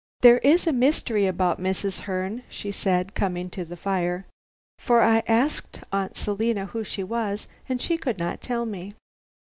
"There is a mystery about Mrs. Herne," she said, coming to the fire; "for I asked Aunt Selina who she was, and she could not tell me."